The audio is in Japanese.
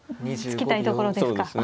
突きたいところですか。